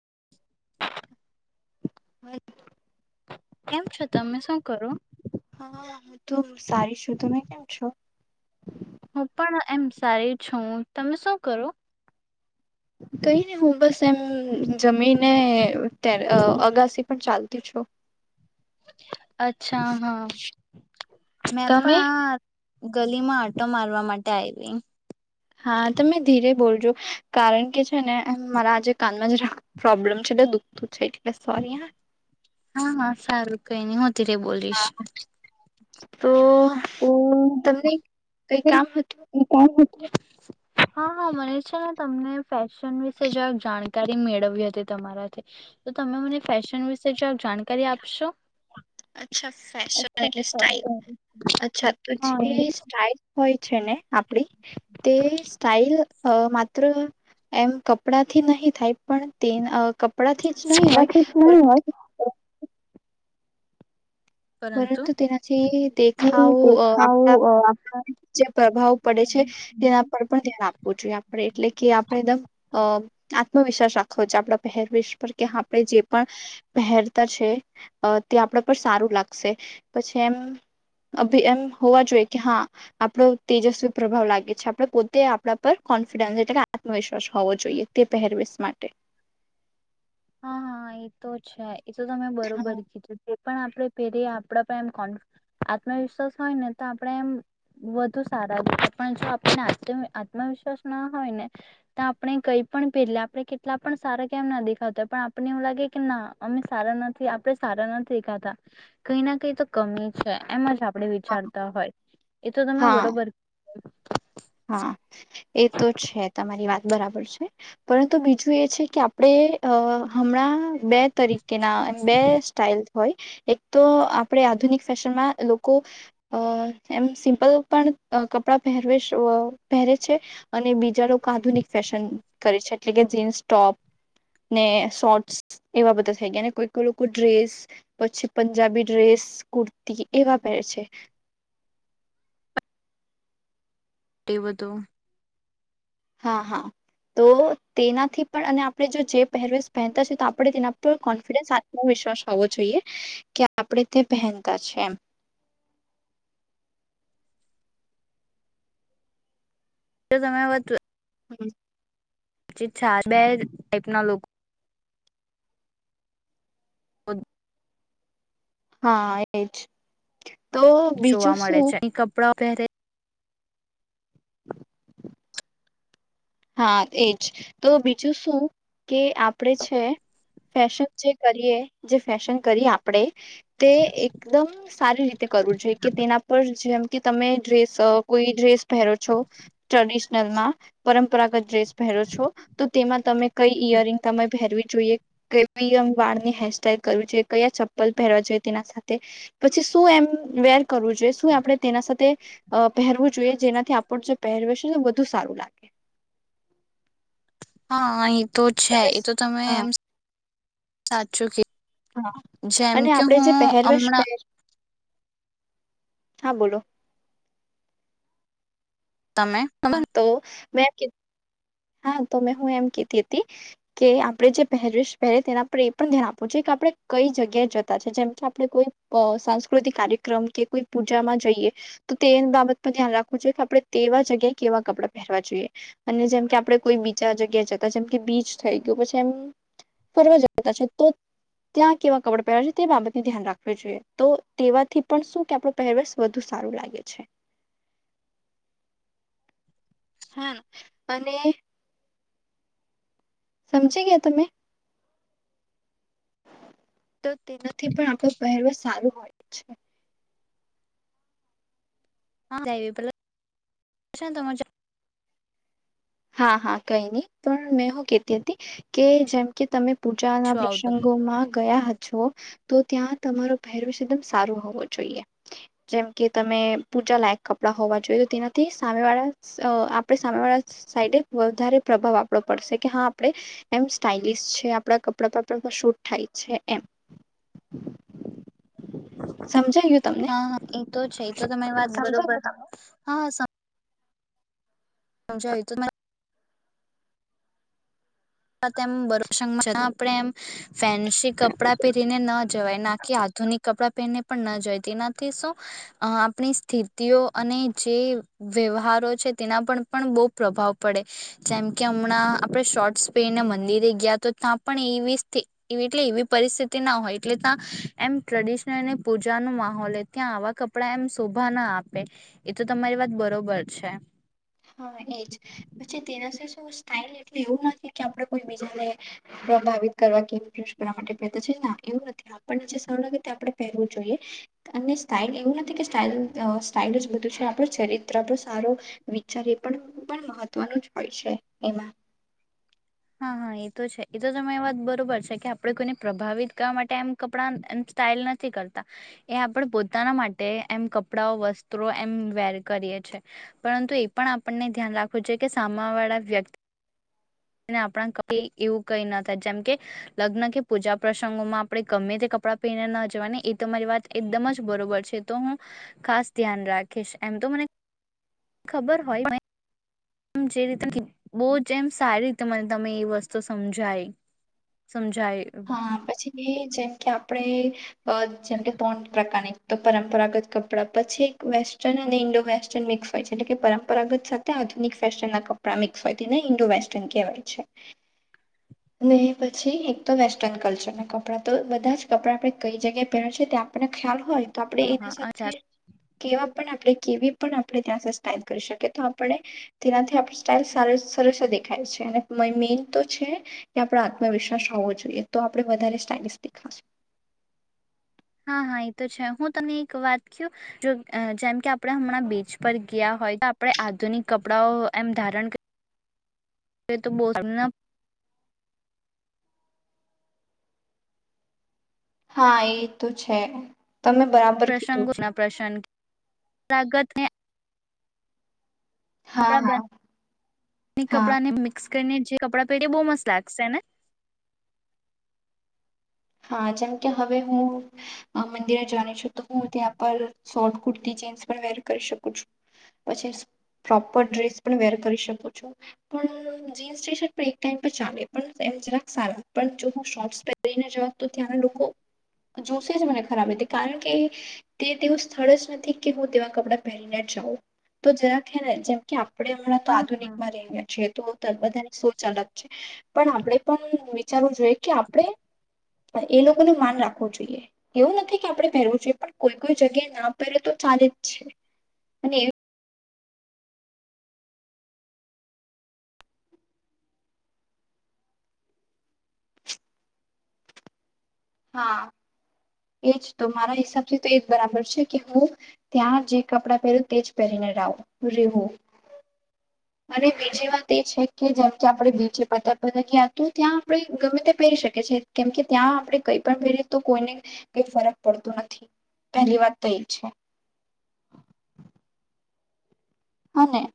[inaudible] [inaudible] કેમ છો તમે શું કરો. હા હું તો સારી છું તમે કેમ છો. હું પણ એમ સારી છું તમે શું કરો. કઈ નહી હું બસ એમ જમીને્યારે અગાસી પણ ચાલતી છું. અચ્છા હા મે તમે પણ આ ગલી માં આટો મારવા માટે આવી. હા તમે ધીરે બોલજો કારણ કે છે ને મારા આજે કાનમાં જે પ્રોબ્લેમ છે એટલે દૂધધ હા હા સારું કઈ નહી હું તીરે બોલીશ. તો. તો તમને કઈ કામ હતું. હા હા મને છે ને તમને ફેશન વિશે જંક જાણકારી મેળવી હતી તમારાથી તો તમે મને ફેશન વિશે જક જાણકારી આપશો. અચ્છા ફેશન એટલે સ્ટાઇલ. અચ્છા તું જે હા, એ સલ સલ માત્ર એમ કપડાથી નહી થાય પણ તે. કપડા થી જ નહી હોય પરંતુ તેનાથી જે દેખાવ દેખાવ આપણા અ આપણા જે પ્રભાવ પડે છે તેના પર પણ ધ્યાન આપ જોઈએ આપણે એટલે કે આપડણે એકદમ આત્મવિશ્વાસ રાખવ છે આપડા પહેરવેશ પર કે આપડે જે પણ પહેરતા છે તે આપણા પર સારું લાગત પછી એમ એમ હોવા જોઈએ કે હા આપણો તેજસ્વી પ્રભાવ લાગે છે આપણે પોતે આપણા પર કોન્ફિડન્સ એટલે કે આત્મવિશ્વાસ હોવો જોઈએ તે પહેરવીશ માટે હા હા એ તો છે. એ તો તમે હા બરોબર કીધું. પણ આપણે પહેરી આપડા પણ એમ કો આત્મવિશ્વાસ હોય ને તો આપણેે એમ વધુ સારા દેખ પણ જો આપણે આત્મવિશ્વાસ ના હોય ને, તો આપણે કઈ પણ પહેરી આપણે કેટલા પણ સારા કેમ ના દેખાતા પણ આપને એવું લાગે કે ના અમે સારા નથી આપણે સારા નથી દેખાતા, કઈ ના કઈ તો કમી છે એમ જ આપણે વિચારતા હોય, એ તો તમે હા બરોબર હા એ તો છે તમારી વાત બરાબર છે, પરંતુ બીજું એ છે કે આપડણે અ હમણાં બે તરીકે ના અને બે સ્ટઇલ હોય, એક તો આપણે આધુનિક ફેશનમાં લોકો, અ એમ સિમ્પલ પણ કપડા પહેરવી પહેરે છે અને બીજા લોકો આધુનિક ફેશન કરે છે, એટલે કે જીન્સ ટોપ ને શોર્ટ્સ એવા બધા થઈ ગયા કોઈ લોકો ડ્રેસ પછી પંજાબી ડ્રેસ કુર્તી એવા પહેરે છે. તે વધૂ હા હા, તો તેનાથી પણ અને આપણે જો જે પહેરવેશ પહેનતા છે તો આપણે તેના પર કોન્ફિડન્સ આત્મવિશ્વાસ હોવો જોઈએ, કે આપણે તે પહેનતા છે એમ. જો તમે આ વાત હમ. ી છા બે ટાઈપ ના લોકો [unintelligible] હા એજ. તો જોવા બીજું મળે શું છે એ કપડા પેરેસ હા એજ, તો બીજું શું કે આપણેે છે ફેશન જે કરીએ જે ફેશન કરીએ આપડણે તે એકદમ સારી રીતે કરવું જોઈએ કે તેના પર જેમ કે તમે ડ્રેસ કોઈ ડ્રેસ--. પહેરો છો, ટ્રે--. માં, પરમ પ્રરાગત ડ્રેસ પહેરો છો. તેમાં તમે કઈ ઈયરિંગ તમે પહેરવી જોઈએ, કેવી [inaudible] વાળની હેરસ્ટાઈલ કરવી જોઈએ, કયા ચપ્પલ પહેરવા જોઈએ તેના સાથે, પછી શું એમ વેર કરવું જોઈએ, શું આપણે તેના સાથે અહ પહેરવું જોઈએ જેનાથી આપણ જો પહેરવેશ હે ને વધુ સારું લાગે. હા એ તો છે. એ તો તમે હા એમ સાચું કી હા, અને આપડે જે પહેરવેશ હમણાં પહેર હા બોલો. તમે. મે કી હા તો મેં હું એમ કેતી હતી, કે આપણે જે પહેરવેશ પહેરી તેના પર એ પણ ધ્યાન આપવું જોઈ કે આપણે કઈ જગ્યાએ જતા છે, જેમ કે આપણે કોઈક સાંસ્કૃતિક કાર્યક્રમ કે કોઈ પૂજામાં જઈએ, તો તે બાબત પર ધ્યાન રાખવું જોઈએ કે આપણે તેવા જ જગ્યાએ કેવા કપડાં પહેરવા જોઈએ, અને જેમ કે આપ આપણે કોઈ બીજા જગ્યાએ જતા છે, જેમ કે બીચ થઈ ગયું, પછી એમ ફરવા જતા છે તો ત્યાં કેવા કપડા પહેર્યા જોઈ તે બાબતની ધ્યાન રાખવું જોઈએ, તો તેવાથી પણ શું કે આપણ પહેરવેશ વધુ સારું લાગે છે. હા, અને સમજી ગયા તમે? તો તેનાથી પણ આપડે પહેરવેશ સારું હોય છે. [inaudible] હા, હા કઈ નહી, પણ મેં હું કેતી હતી કે જેમ કે તમે પૂજા ના શું આવતું. પ્રસંગો માં ગયા હ છો તો ત્યાં તમારો પહેરવેશ એકદમ સારો હોવો જોઈએ. જેમ કે તમે પૂજા લાયક કપડા હોવા જોઈએ, તો તેનાથી સામે વાળા સ અહ આપડે સામે વાળા સાઈડે વધારે પ્રભાવ આપડો પડશે, કે હા આપડે એમ સ્ટાઇલિસ છે આપણા કપડા [unintelligible] શૂટ થાય છે એમ. સમજાયું તમને હા, હા એ તો છે. તો તમે વાત બરોબર [unintelligible] હા સમ જાઈ એ તો [inaudible] [inaudible] આપણે એમ ફેન્સી કપડાં પહેરીને ન જવાય ના. કે આધુનિક કપડાં પહેરીને પણ ન જવાય તેનાથી શું આપણી અહ સ્થિતિઓ અને જે વ્યવહારો છે તેના પર પણ બહુ પ્રભાવ પડે, જેમ કે હમણાં આપણે શોર્ટસ પહેરીને મંદિરે ગયા તો ત્યાં પણ એવી સ્થિ એટલે એવી પરિસ્થિતિ ના હોય એટલે ત્યાં એમ ટ્રેડિશનલને પૂજા નું માહોલ હોય ત્યાં આવા કપડા એમ શોભા ના આપે, એ તો તમારી વાત બરોબર છે. હા એજ. પછી તેનાથી શું સ્ટાઈલ એટલે એવું નથી કે આપણે કોઈ બીજાને પ્રભાવિત કરવા કે [unintelligible] કરવા માટે પહેરતા છે, ના, એવું નથી આપણને જે સારું લાગે તે આપણે પહેરવું જોઈએ, અને સ્ટાઇલ એવું નથી કે સ્ટાલઈલ અહ સ્ટાઈલ જ બધું છે, આપડે ચરિત્ર ભી સારું વિચાર એ પણ પણ મહત્વનું જ હોય છે એમાં. હા, હા એ તો છે. એતો તમે વાત બરોબર છે કે આપણે કોઈને પ્રભાવિત કરવા માટે એમ કપડા એમ સ્ટાઇલ નથી કરતા, એ આપણે પોતાના માટે એમ કપડાઓ, વસ્ત્રો એમ વેર કરીએ છે, પરંતુ એ પણ આપણને ધ્યાન રાખવું જોઈ કે સામે વાળા વ્યક્ત ને આપણા [unintelligible] એવું કઈ ન થાય જેમ કે લગ્ન કે પૂજા પ્રસંગોમાં આપણે ગમે તે કપડાં પહેરીને ન જવાની ઈ તમારી વાત એકદમ જ બરોબર છે. તો હું ખાસ ધ્યાન રાખીશ. એમ તો મને ખબર હોય [inaudible] જે રીતે [inaudible] બહું જ એમ સારી રીતે મને તમે એ વસ્તુ સમજાઈ. સમજ હા પછી બે જેમ કે આપ આપણે અહ જેમ કે તણ પ્રકારની તો પરંપરાગત કપડાં, પછી એક વેસ્ટર્ન અને ઈન્ડો વેસ્ટર્ન મિક્સ હોય છે, એટલે કે પરંપરાગત સાથે આધુનિક ફેશન ના કપડાં મિક્સ હોય તેને ઇન્ડો વેસ્ટર્ન કહેવાય છે. અને પછી તો વેસ્ટર્ન કલ્ચરના કપડાં તો બધા જ કપડાં આપણે કઈ જગ્યાએ પહેરવા છે તે આપડને ખ્યાલ હોય તો આપણેે હા એના હા અચ્છા સાથે કેવા પણ આપણે કેવી પણ આપણે ત્યાં સા સ્ટાઇલ કરી શકીએ, તો આપણે તેનાથી આપણી સ્ટાઇલ સાર સરસ દેખાય છે, અને મ મેન તો છે કે આપડો આત્મવિશ્વાસ હોવો જોઈ એ તો આપડે વધારે સ્ટઇલ દેખાશું. હા હા એ તો છે હું તને એક વાત ક જો જેમ કે આપણે હમણાં બીચ પર ગયા હોય તો આપણે આધુનિક કપડાઓ એમ ધારણ તો બ. હા એ તો છે. તમે બરાબર કીધું. લાગત હે. હા કપડા હા બ હા કપડા ને મિક્સ. જે કપ પહે બ મ લ. હા જેમ કે હવે હું મંદિરે જાણી છું. તો હું ત્યા પર. શોર્ટ કુર્તી જીન્સ પણ વેર કરી શકું છું પછી પ્રોપર ડ્રેસ પણ વેર કરી શકું છું પણ જીન્સ ટી શર્ટ પણ એક ટાઈમ પર ચાલે પણ એમ જરાક સારું પણ જો હું શોર્ટસ પહેરીને જં. તો ત્યાંના લોકો જોશે જ મને ખરાબ કારણ કે તે તેવું સ્થળ જ નથી કે હું તેવા કપડાં પહેરીને જાઉં તો જરાે ને જેમ કે. આપણે હમણાં તો હા હા આધુનિકમાં રહી ગ્યા છીએ તો. બધાની સોચ અલગ છે પણ આપણે પણ વિચારવું જોઈએ કે આપણે. એ લોકોને માન રાખવું જોઈએ એવું નથી કે આપણે પહેરવું જોઈએ પણ કોઈ કોઈ જગ્યાએ ના પહેરે તો ચાલે જ છે અને. હા. [unintelligible] મારા હિસાબથી તો એ જ બરાબર છે કે હું ત્યાં જે કપડાં પહેરું તે જ પહેરીને રું રેવું અને બીજી વાત એ છે કે જેમ કે આપણે બીચે પતક પકયા હતું ત્યાં આપણે ગમે તે પહેરી શકી છે કેમ કે ત્યાં આપણે કઈ પણ પહેરીએ તો કોઈને. કઈ ફરક પડતો નથી પહેલી વાત તો એજ છે. અનેા. [unintelligible]